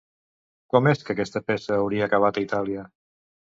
Com és que aquesta peça hauria acabat a Itàlia?